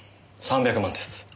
３００万です。